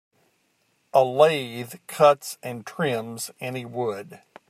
A lathe cuts and trims any wood.